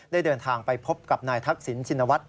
เดินทางไปพบกับนายทักษิณชินวัฒน์